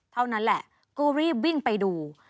เท่านั้นแหละก็รีบวิ่งไปดู